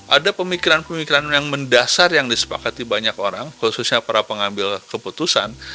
ada pemikiran pemikiran yang mendasar yang disepakati banyak orang khususnya para pengambil keputusan